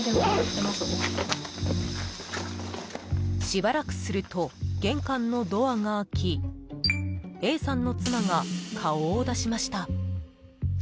しばらくすると玄関のドアが開きＡさんの妻が顔を出しました。